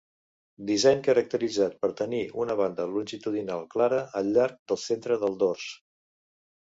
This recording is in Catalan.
Disseny caracteritzat per tenir una banda longitudinal clara al llarg del centre del dors.